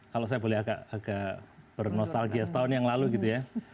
kalau saya boleh agak bernostalgia setahun yang lalu gitu ya